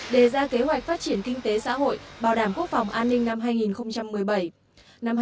đề ra kế hoạch phát triển kinh tế xã hội bảo đảm quốc phòng an ninh năm hai nghìn một mươi bảy